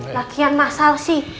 lagi lagi masalah sih